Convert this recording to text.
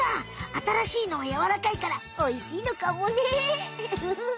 新しいのはやわらかいからおいしいのかもね。